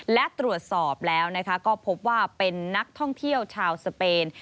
และตรวจสอบแล้วก็พบว่าเป็นนักท่องเที่ยวชาวสเปน